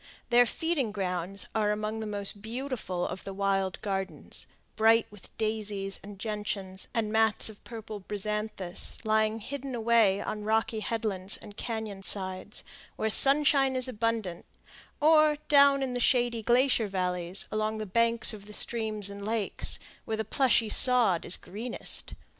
Their feeding grounds are among the most beautiful of the wild gardens, bright with daisies and gentians and mats of purple bryanthus, lying hidden away on rocky headlands and cañon sides, where sunshine is abundant, or down in the shady glacier valleys, along the banks of the streams and lakes, where the plushy sod is greenest.